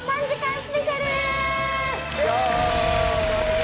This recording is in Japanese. ３時間！